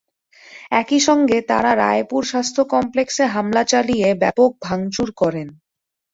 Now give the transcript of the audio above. একই সঙ্গে তাঁরা রায়পুর স্বাস্থ্য কমপ্লেক্সে হামলা চালিয়ে ব্যাপক ভাঙচুর করেন।